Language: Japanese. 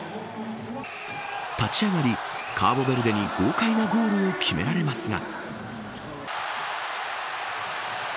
立ち上がり、カーボベルデに豪快なゴールを決められますが。